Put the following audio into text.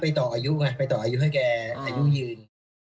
ไปต่ออายุให้แกอายุยืน